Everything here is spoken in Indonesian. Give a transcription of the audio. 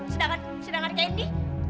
sedangkan sedangkan kayak ini